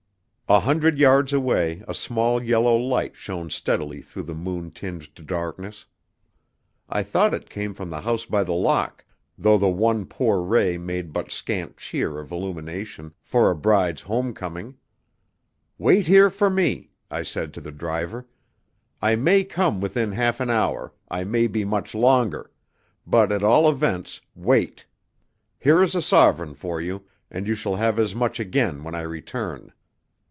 A hundred yards away a small yellow light shone steadily through the moon tinged darkness. I thought it came from the House by the Lock, though the one poor ray made but scant cheer of illumination for a bride's homecoming. "Wait here for me," I said to the driver. "I may come within half an hour, I may be much longer; but, at all events, wait. Here is a sovereign for you, and you shall have as much again when I return."